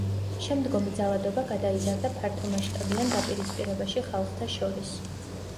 შემდგომი ძალადობა გადაიზარდა ფართომასშტაბიან დაპირისპირებაში ხალხთა შორის.